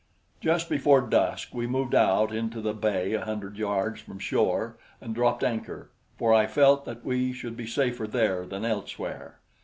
Just before dusk we moved out into the bay a hundred yards from shore and dropped anchor, for I felt that we should be safer there than elsewhere.